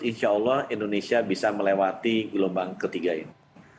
insya allah indonesia bisa melewati gelombang ketiga ini